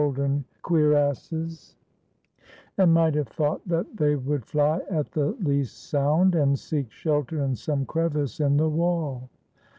63 ITALY den cuirasses, and might have thought that they would fly at the least sound, and seek shelter in some crevice in the wall.